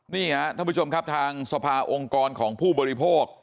นี่ครับท่านผู้ชมครับทางสภาองค์กรของผู้บริโภค